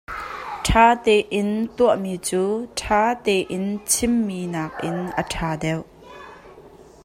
Ṭha tein tuahmi cu ṭha tein chimmi nakin a ṭha deuh.